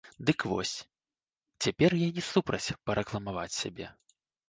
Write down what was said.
Дык вось, цяпер я не супраць парэкламаваць сябе.